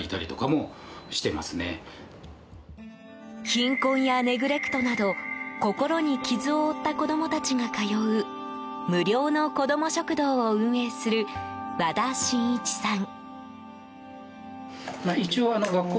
貧困やネグレクトなど心に傷を負った子供たちが通う無料の子ども食堂を運営する和田信一さん。